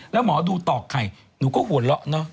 แล้วหมอดูตอกไข่หนูก็หัวเราะเนอะ